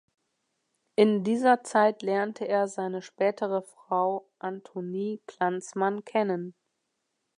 In dieser Zeit lernte er seine spätere Frau Antonie Glanzmann kennen.